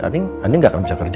anda nggak akan bisa kerja